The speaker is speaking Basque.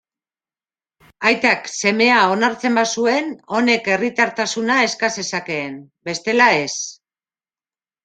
Aitak semea onartzen bazuen, honek herritartasuna eska zezakeen; bestela, ez.